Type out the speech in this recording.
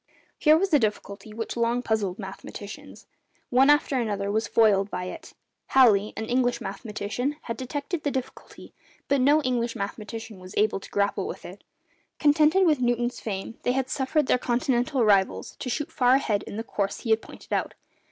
Here was a difficulty which long puzzled mathematicians. One after another was foiled by it. Halley, an English mathematician, had detected the difficulty, but no English mathematician was able to grapple with it. Contented with Newton's fame, they had suffered their Continental rivals to shoot far ahead in the course he had pointed out.